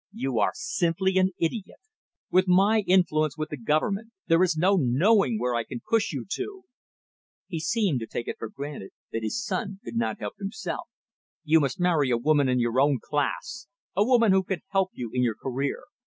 "You are simply an idiot. With my influence with the Government, there is no knowing where I can push you to." He seemed to take it for granted that his son could not help himself. "You must marry a woman in your own class, a woman who can help you in your career.